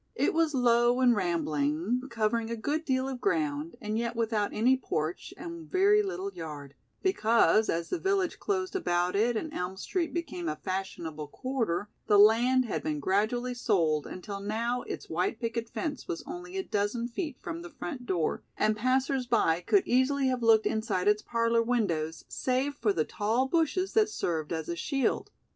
It was low and rambling, covering a good deal of ground and yet without any porch and very little yard, because as the village closed about it and Elm Street became a fashionable quarter the land had been gradually sold until now its white picket fence was only a dozen feet from the front door and passers by could easily have looked inside its parlor windows save for the tall bushes that served as a shield.